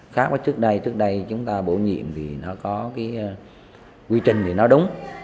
khác với trước đây trước đây chúng ta bổ nhiệm thì nó có cái quy trình thì nó đúng